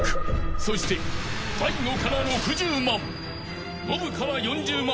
［そして大悟から６０万。